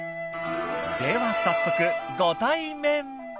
では早速ご対面。